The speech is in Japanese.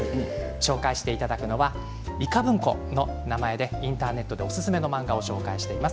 紹介していただくのはいか文庫の名前でインターネットでおすすめの漫画を紹介しています